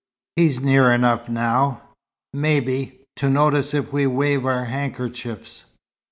He's near enough now, maybe, to notice if we wave our handkerchiefs."